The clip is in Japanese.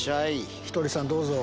ひとりさんどうぞ。